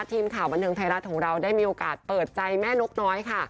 ทีมข่าวบันเทิงไทยรัฐของเราได้มีโอกาสเปิดใจแม่นกน้อยค่ะ